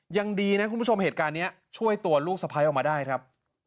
ยังดีนะคุณผู้ชมเหตุการณ์นี้ช่วยตัวลูกสะพ้ายออกมาได้ครับ